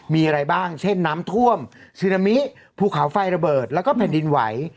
มีอะไรบ้างเช่นน้ำท่วมซึนามิภูเขาไฟระเบิดแล้วก็แผ่นดินไหว